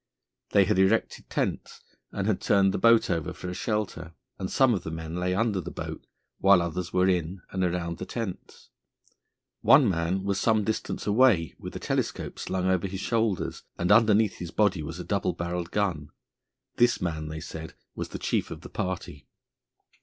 They had erected tents and had turned the boat over for a shelter, and some of the men lay under the boat, while others were in and around the tents. One man was some distance away with a telescope slung over his shoulders, and underneath his body was a double barrelled gun. This man, they said, was the chief of the party.